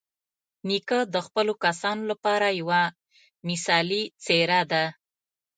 نیکه د خپلو کسانو لپاره یوه مثالي څېره ده.